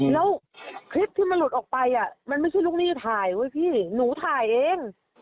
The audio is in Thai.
แล้วคลิปที่มันหลุดออกไปมันไม่ใช่ลูกหนี้ถ่ายไว้พี่หนูถ่ายเอง